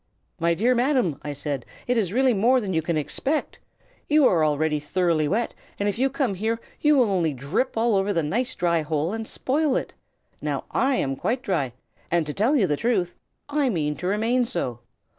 "'My dear Madam,' I said, 'it is really more than you can expect. You are already thoroughly wet, and if you come here you will only drip all over the nice dry hole and spoil it. Now, I am quite dry; and to tell you the truth, I mean to remain so.'